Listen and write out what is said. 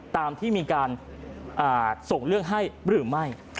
ตามที่มีการส่งเรื่องให้หรือไม่